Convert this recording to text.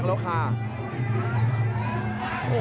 ยกที่๔ครับ